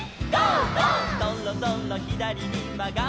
「そろそろひだりにまがります」